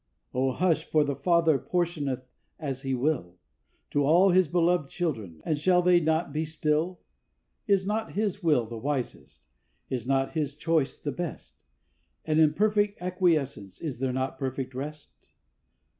oh, hush! for the Father portioneth as He will, To all His beloved children, and shall they not be still? Is not His will the wisest, is not His choice the best? And in perfect acquiescence is there not perfect rest?